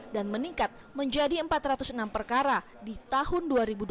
dan meningkat menjadi empat ratus enam perkara di tahun dua ribu dua puluh